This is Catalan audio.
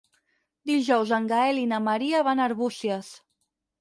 Dijous en Gaël i na Maria van a Arbúcies.